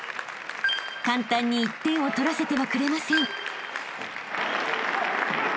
［簡単に１点を取らせてはくれません］